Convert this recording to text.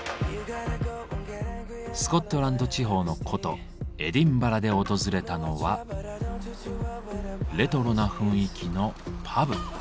スコットランド地方の古都エディンバラで訪れたのはレトロな雰囲気のパブ。